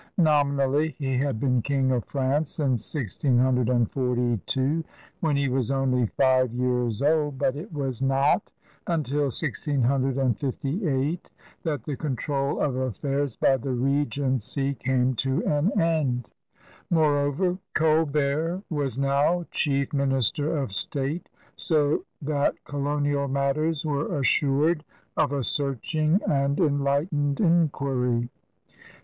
Nominally he had been king of France since 1642, when he was only five years old, but it was not until 1658 that the control of affairs by the regency came to an end. Moreover, Colbert was now chief minister of state, so that colonial matters were assured of a searching and enlightened inquiry.